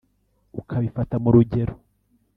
ukabifata mu rugero